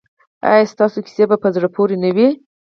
ایا ستاسو کیسې په زړه پورې نه دي؟